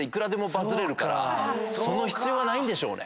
その必要はないんでしょうね。